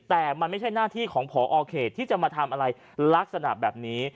แต่มันไม่ใช่หน้าที่ของพอเขตที่จะมาทำอะไรลักษณะแบบนี้